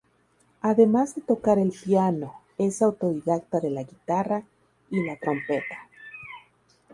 Además de tocar el piano, es autodidacta de la guitarra y la trompeta.